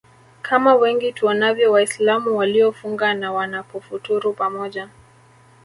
kama wengi tuonavyo waislamu waliofunga na wanapofuturu pamoja